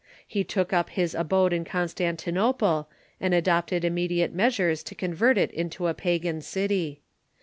He took up his abode in Constantinople, and adopted imme diate measures to convert it into a pagan city.